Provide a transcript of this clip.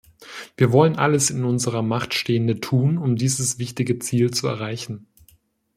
Wir wollen alles in unserer Macht Stehende tun, um dieses wichtige Ziel zu erreichen.